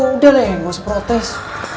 udah deh gak usah protes